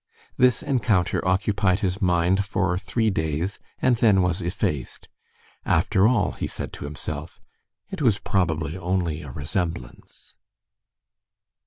This encounter occupied his mind for three days and then was effaced. "After all," he said to himself, "it was probably only a resemblance."